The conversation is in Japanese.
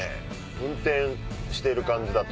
運転してる感じだと。